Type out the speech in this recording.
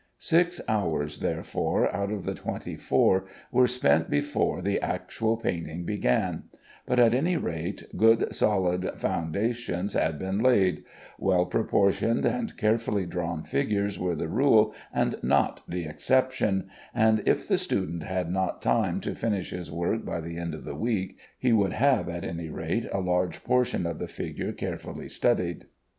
Six hours, therefore, out of the twenty four were spent before the actual painting began; but, at any rate, good solid foundations had been laid: well proportioned and carefully drawn figures were the rule and not the exception, and if the student had not time to finish his work by the end of the week, he would have at any rate a large portion of the figure carefully studied.